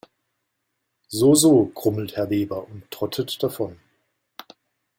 So so, grummelt Herr Weber und trottet davon.